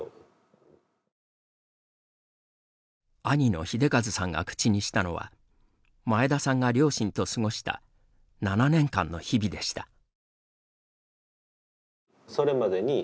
兄の秀和さんが口にしたのは前田さんが両親と過ごした７年間の日々でした。